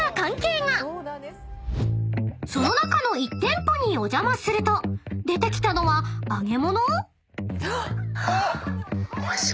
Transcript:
［その中の１店舗にお邪魔すると出てきたのは］ねえ！